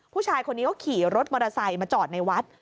ผู้ชายคนนี้ก็ขี่รถมอเตอร์ไซค์มาจอดในวัด